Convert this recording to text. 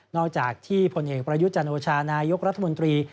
อกจากที่ผลเอกประยุทธ์จันโอชานายกรัฐมนตรี